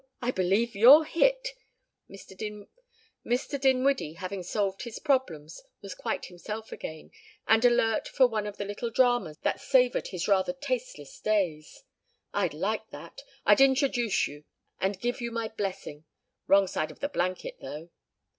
I believe you're hit!" Mr. Dinwiddie, having solved his problems, was quite himself again and alert for one of the little dramas that savored his rather tasteless days. "I'd like that. I'll introduce you and give you my blessing. Wrong side of the blanket, though."